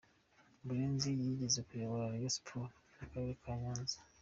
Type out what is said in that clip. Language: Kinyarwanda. Murenzi yigeze kuyobora Rayon sports n’akarere ka Nyanza.